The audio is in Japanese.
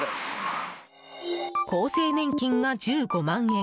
厚生年金が１５万円。